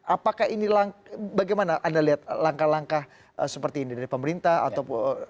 apakah ini bagaimana anda lihat langkah langkah seperti ini dari pemerintah apakah ini bisa dikaitkan dengan pemerintahan lain